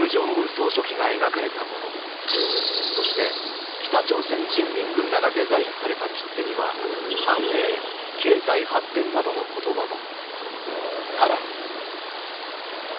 総書記が描かれたもの、そして北朝鮮人民軍らがデザインされた切手には繁栄、経済発展などの言葉も。